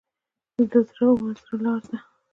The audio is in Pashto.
د زړه و زړه لار ده.